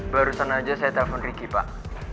barusan aja saya telpon ricky pak